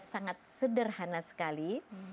sangat sederhana sekali